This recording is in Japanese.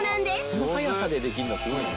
「この早さでできるのすごいね」